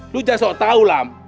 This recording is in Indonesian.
lu jasok tau lam